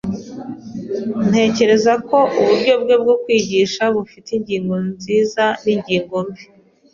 Ntekereza ko uburyo bwe bwo kwigisha bufite ingingo nziza n ingingo mbi.